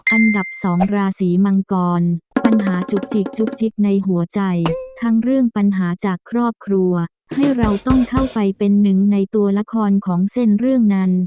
อันดับ๒ราศีมังกรปัญหาจุกจิกจุกจิกในหัวใจทั้งเรื่องปัญหาจากครอบครัวให้เราต้องเข้าไปเป็นหนึ่งในตัวละครของเส้นเรื่องนั้น